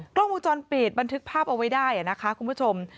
กล้องวงจรปิดบันทึกภาพเอาไว้ได้นะคะคุณผู้ชม